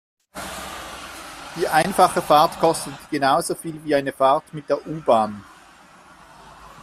Die einfache Fahrt kostet genauso viel wie eine Fahrt mit der U-Bahn.